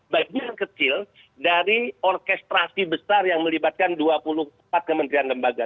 bagian kecil dari orkestrasi besar yang melibatkan dua puluh empat kementerian lembaga